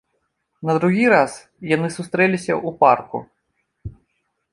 На другі раз яны сустрэліся ў парку.